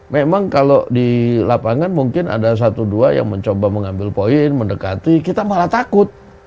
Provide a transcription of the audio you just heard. memang kalau di lapangan mungkin ada satu dua yang mencoba mengambil poin mendekati kita malah takut